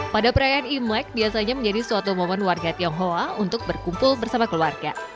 pada perayaan imlek biasanya menjadi suatu momen warga tionghoa untuk berkumpul bersama keluarga